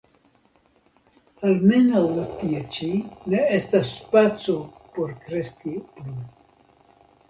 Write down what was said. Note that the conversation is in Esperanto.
Almenaŭ tie ĉi ne estas spaco por kreski plu.